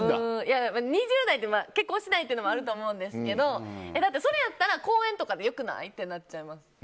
２０代でまだ結婚してないというのもあると思うんですけどそれやったら公園とかで良くない？ってなっちゃいます。